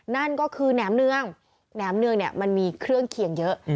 นั่นก็คือแหนมเนืองแหนมเนืองเนี่ยมันมีเครื่องเคียงเยอะ